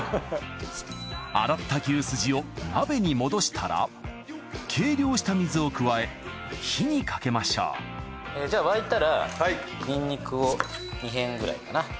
洗った牛すじを鍋に戻したら計量した水を加え火にかけましょうじゃあ沸いたらにんにくを２片くらいかな。